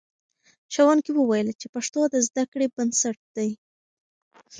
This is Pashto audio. ښوونکي وویل چې پښتو د زده کړې بنسټ دی.